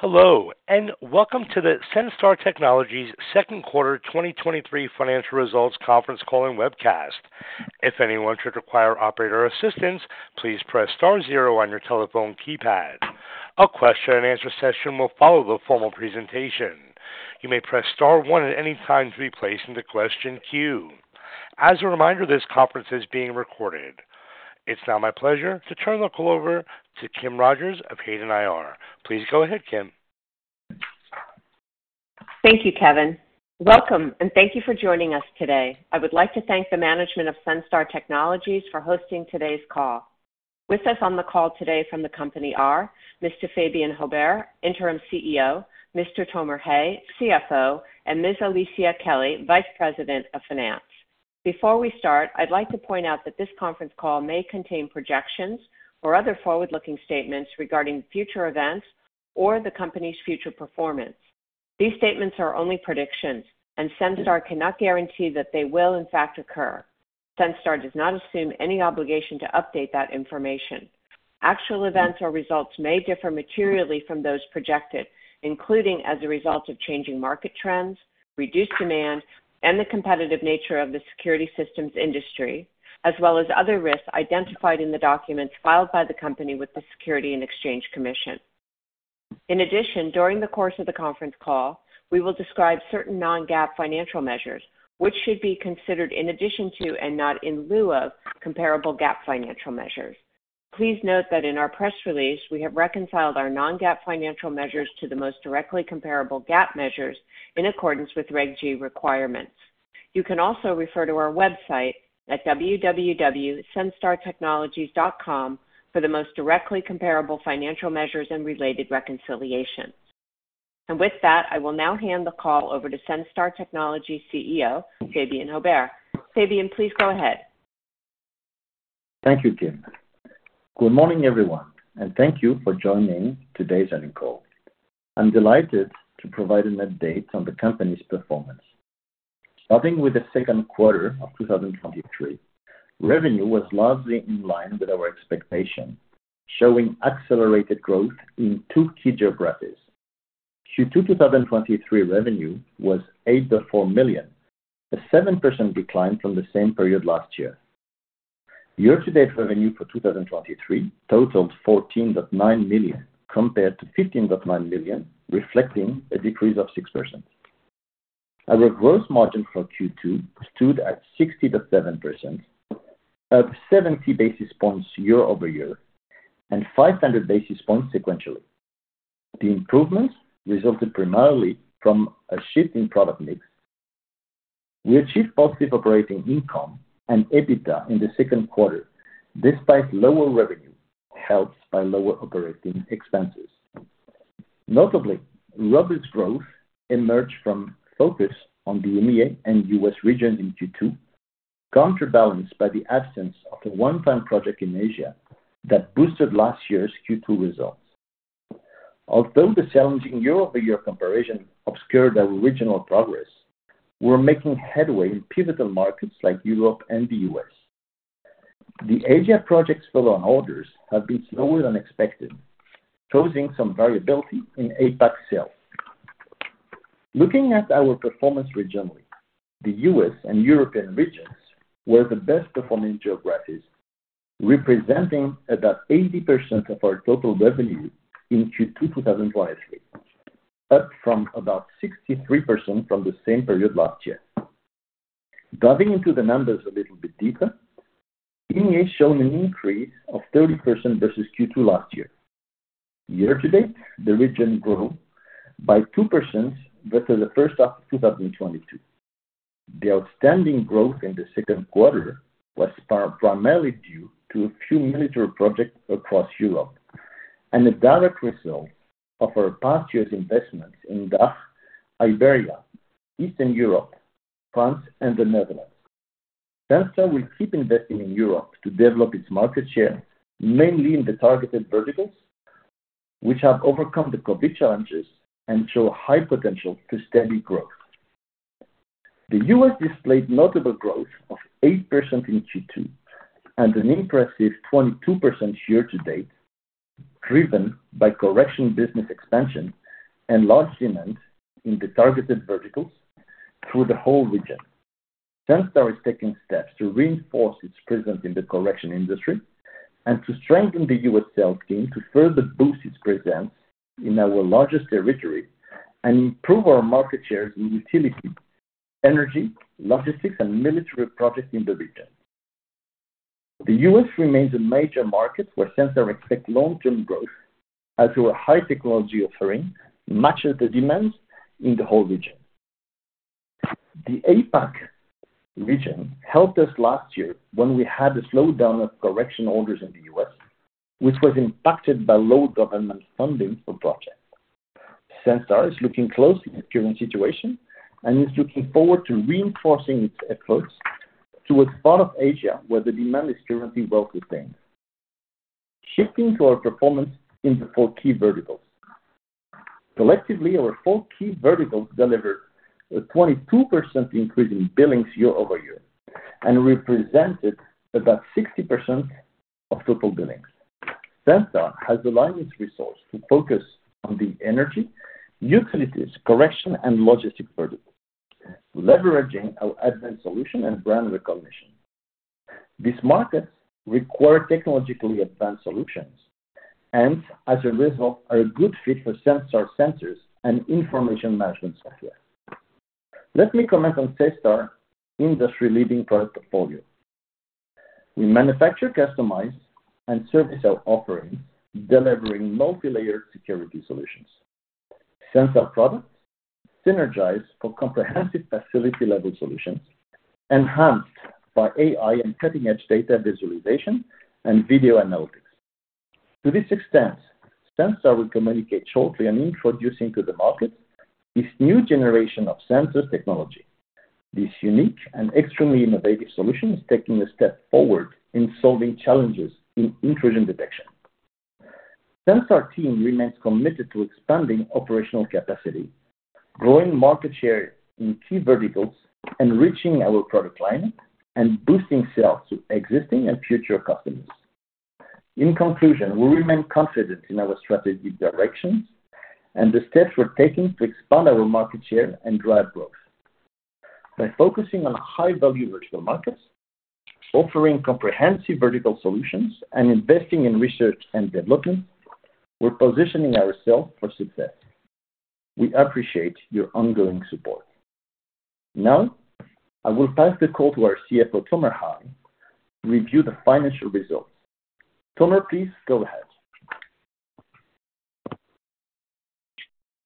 Hello, and welcome to the Senstar Technologies second quarter 2023 financial results conference call and webcast. If anyone should require operator assistance, please press star zero on your telephone keypad. A question-and-answer session will follow the formal presentation. You may press star one at any time to be placed in the question queue. As a reminder, this conference is being recorded. It's now my pleasure to turn the call over to Kim Rogers of Hayden IR. Please go ahead, Kim. Thank you, Kevin. Welcome, and thank you for joining us today. I would like to thank the management of Senstar Technologies for hosting today's call. With us on the call today from the company are Mr. Fabien Haubert, Interim CEO, Mr. Tomer Hay, CFO, and Ms. Alicia Kelly, Vice President of Finance. Before we start, I'd like to point out that this conference call may contain projections or other forward-looking statements regarding future events or the company's future performance. These statements are only predictions, and Senstar cannot guarantee that they will, in fact, occur. Senstar does not assume any obligation to update that information. Actual events or results may differ materially from those projected, including as a result of changing market trends, reduced demand, and the competitive nature of the security systems industry, as well as other risks identified in the documents filed by the company with the Securities and Exchange Commission. In addition, during the course of the conference call, we will describe certain Non-GAAP financial measures, which should be considered in addition to and not in lieu of comparable GAAP financial measures. Please note that in our press release, we have reconciled our Non-GAAP financial measures to the most directly comparable GAAP measures in accordance with Reg G requirements. You can also refer to our website at www.senstartechnologies.com for the most directly comparable financial measures and related reconciliations. With that, I will now hand the call over to Senstar Technologies' CEO, Fabien Haubert. Fabien, please go ahead. Thank you, Kim. Good morning, everyone, and thank you for joining today's earning call. I'm delighted to provide an update on the company's performance. Starting with the second quarter of 2023, revenue was largely in line with our expectation, showing accelerated growth in two key geographies. Q2 2023 revenue was $8.4 million, a 7% decline from the same period last year. Year-to-date revenue for 2023 totaled $14.9 million, compared to $15.9 million, reflecting a decrease of 6%. Our gross margin for Q2 stood at 60.7%, up 70 basis points year-over-year and 500 basis points sequentially. The improvements resulted primarily from a shift in product mix. We achieved positive operating income and EBITDA in the second quarter, despite lower revenue, helped by lower operating expenses. Notably, robust growth emerged from focus on the EMEA and US regions in Q2, counterbalanced by the absence of a one-time project in Asia that boosted last year's Q2 results. Although the challenging year-over-year comparison obscured our regional progress, we're making headway in pivotal markets like Europe and the US. The Asia projects follow-on orders have been slower than expected, causing some variability in APAC sales. Looking at our performance regionally, the US and European regions were the best performing geographies, representing about 80% of our total revenue in Q2 2023, up from about 63% from the same period last year. Diving into the numbers a little bit deeper, EMEA showed an increase of 30% versus Q2 last year. Year to date, the region grew by 2% versus the first half of 2022. The outstanding growth in the second quarter was primarily due to a few military projects across Europe and a direct result of our past year's investments in DACH, Iberia, Eastern Europe, France, and the Netherlands. Senstar will keep investing in Europe to develop its market share, mainly in the targeted verticals, which have overcome the COVID challenges and show high potential for steady growth. The US displayed notable growth of 8% in Q2 and an impressive 22% year to date, driven by corrections business expansion and large demand in the targeted verticals through the whole region. Senstar is taking steps to reinforce its presence in the corrections industry and to strengthen the US sales team to further boost its presence in our largest territory and improve our market shares in utility, energy, logistics, and military projects in the region. The U.S. remains a major market where Senstar expect long-term growth as our high technology offering matches the demands in the whole region. The APAC region helped us last year when we had a slowdown of correction orders in the U.S., which was impacted by low government funding for projects. Senstar is looking closely at the current situation and is looking forward to reinforcing its efforts towards part of Asia, where the demand is currently well sustained. Shifting to our performance in the four key verticals. Collectively, our four key verticals delivered a 22% increase in billings year-over-year and represented about 60% of total billings. Senstar has aligned its resource to focus on the energy, utilities, correction, and logistic products, leveraging our advanced solution and brand recognition. These markets require technologically advanced solutions and, as a result, are a good fit for Senstar sensors and information management software. Let me comment on Senstar industry-leading product portfolio. We manufacture, customize, and service our offerings, delivering multilayered security solutions. Senstar products synergize for comprehensive facility-level solutions, enhanced by AI and cutting-edge data visualization and video analytics. To this extent, Senstar will communicate shortly and introducing to the market this new generation of sensors technology. This unique and extremely innovative solution is taking a step forward in solving challenges in intrusion detection. Senstar team remains committed to expanding operational capacity, growing market share in key verticals, enriching our product line, and boosting sales to existing and future customers. In conclusion, we remain confident in our strategic directions and the steps we're taking to expand our market share and drive growth. By focusing on high-value vertical markets, offering comprehensive vertical solutions, and investing in research and development, we're positioning ourselves for success. We appreciate your ongoing support. Now, I will pass the call to our CFO, Tomer Hay, to review the financial results. Tomer, please go ahead.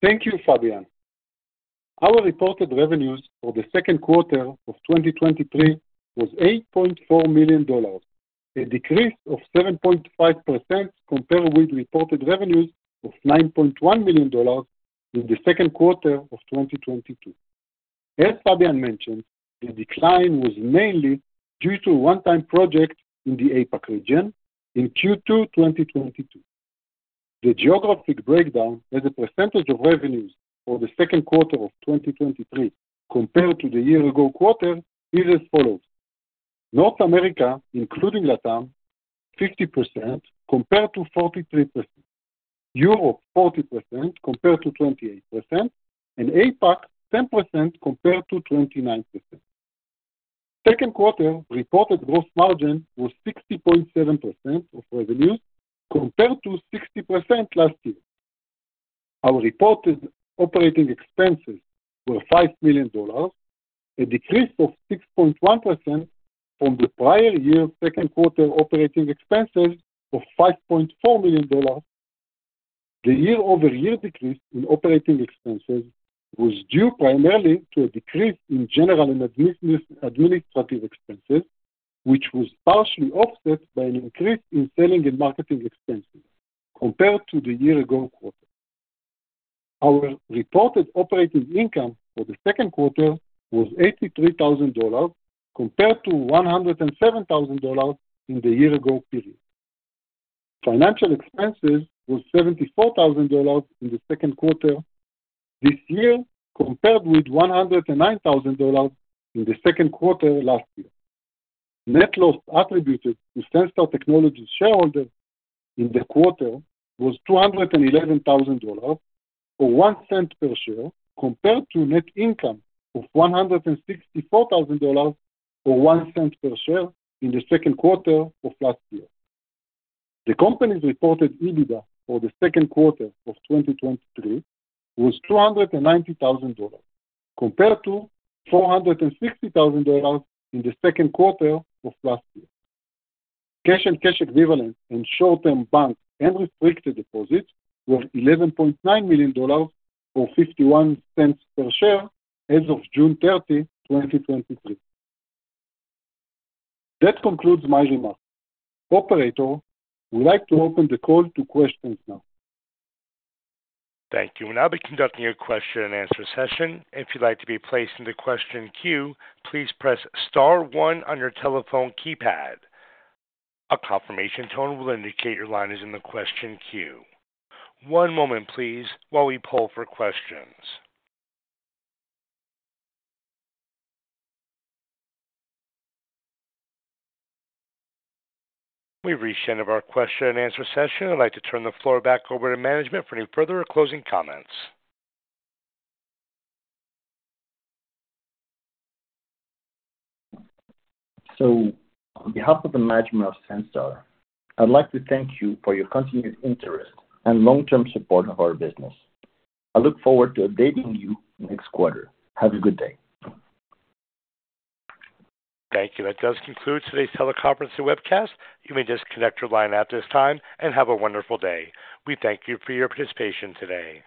Thank you, Fabien. Our reported revenues for the second quarter of 2023 was $8.4 million, a decrease of 7.5% compared with reported revenues of $9.1 million in the second quarter of 2022. As Fabien mentioned, the decline was mainly due to a one-time project in the APAC region in Q2 2022. The geographic breakdown as a percentage of revenues for the second quarter of 2023 compared to the year ago quarter is as follows: North America, including LATAM, 50% compared to 43%. Europe, 40% compared to 28%, and APAC, 10% compared to 29%. Second quarter reported gross margin was 60.7% of revenues compared to 60% last year. Our reported operating expenses were $5 million, a decrease of 6.1% from the prior year second quarter operating expenses of $5.4 million. The year-over-year decrease in operating expenses was due primarily to a decrease in general and administrative expenses, which was partially offset by an increase in selling and marketing expenses compared to the year-ago quarter. Our reported operating income for the second quarter was $83,000, compared to $107,000 in the year-ago period. Financial expenses was $74,000 in the second quarter this year, compared with $109,000 in the second quarter last year. Net loss attributed to Senstar Technologies shareholder in the quarter was $211,000, or $0.01 per share, compared to net income of $164,000, or 1 cent per share, in the second quarter of last year. The company's reported EBITDA for the second quarter of 2023 was $290,000, compared to $460,000 in the second quarter of last year. Cash and cash equivalent in short-term banks and restricted deposits were $11.9 million, or 51 cents per share as of June 30th, 2023. That concludes my remarks. Operator, I would like to open the call to questions now. Thank you. We'll now be conducting a question and answer session. If you'd like to be placed in the question queue, please press star one on your telephone keypad. A confirmation tone will indicate your line is in the question queue. One moment, please, while we pull for questions. We've reached the end of our question and answer session. I'd like to turn the floor back over to management for any further or closing comments. So on behalf of the management of Senstar, I'd like to thank you for your continued interest and long-term support of our business. I look forward to updating you next quarter. Have a good day. Thank you. That does conclude today's teleconference and webcast. You may disconnect your line at this time, and have a wonderful day. We thank you for your participation today.